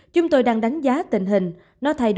chúng tôi đang đánh giá tình hình